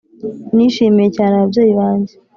nishimiye cyane ababyeyi banjye